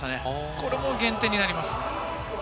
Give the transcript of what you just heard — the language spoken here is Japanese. これも減点になります。